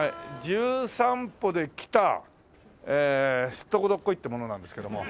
『じゅん散歩』で来たスットコドッコイって者なんですけども。